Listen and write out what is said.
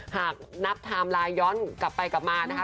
หากนับไทม์ไลน์ย้อนกลับไปกลับมานะคะ